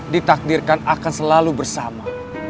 ditakdirkan akan selalu bersama